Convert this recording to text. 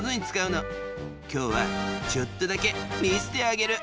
きょうはちょっとだけ見せてあげる。